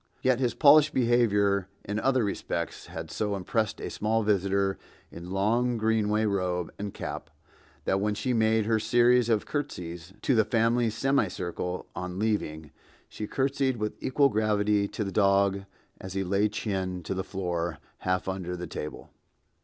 Yet his polished behavior in other respects had so impressed a small visitor in long Greenaway robe and cap, that when she made her series of curtsies to the family semicircle on leaving, she curtsied with equal gravity to the dog as he lay chin to the floor, half under the table.